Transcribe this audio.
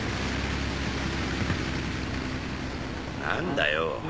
何だよ